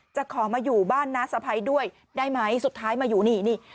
จะขอมาอยู่บ้านน้าสะพ้ายด้วยได้ไหมสุดท้ายมาอยู่นี่นี่